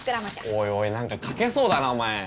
おいおい何かかけそうだなお前。